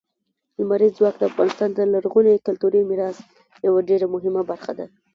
لمریز ځواک د افغانستان د لرغوني کلتوري میراث یوه ډېره مهمه برخه ده.